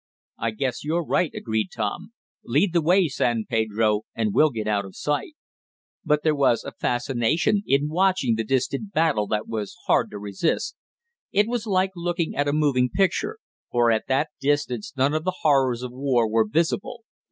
"I guess you're right," agreed Tom. "Lead the way, San Pedro, and we'll get out of sight." But there was a fascination in watching the distant battle that was hard to resist. It was like looking at a moving picture, for at that distance none of the horrors of war were visible.